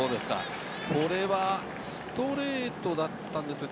これはストレートだったんですか？